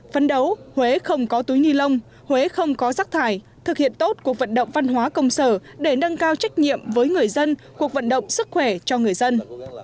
phấn đấu huế không có túi ni lông huế không có rác thải thực hiện tốt cuộc vận động văn hóa công sở để nâng cao trách nhiệm với người dân cuộc vận động sức khỏe cho người dân